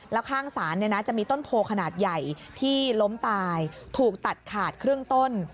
แล้วข้างศาลจะมีต้นโพขนาดใหญ่ที่ล้มตายถูกตัดขาดครึ่งต้น